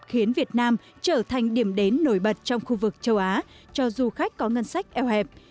khiến việt nam trở thành điểm đến nổi bật trong khu vực châu á cho du khách có ngân sách eo hẹp